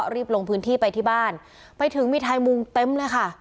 รีบลงพื้นที่ไปที่บ้านไปถึงมีไทยมุงเต็มเลยค่ะ